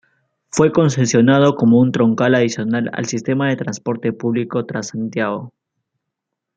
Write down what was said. Fue concesionado como un troncal adicional al sistema de transporte público Transantiago.